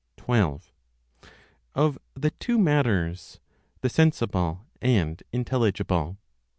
(Of the Two) Matters, (the Sensible and Intelligible).